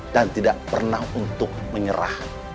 dan tidak pernah untuk menyerah